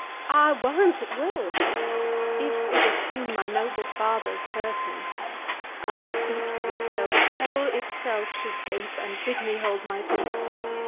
HORATIO. I warrant you it will. HAMLET. If it assume my noble father's person, I'll speak to it, though hell itself should gape And bid me hold my peace.